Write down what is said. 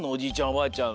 おばあちゃん